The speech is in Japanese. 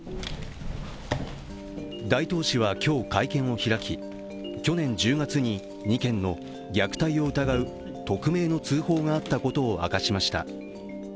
大東市は今日、会見を開き去年１０月に、２件の、虐待を疑う匿名の通報があったことを明かしました。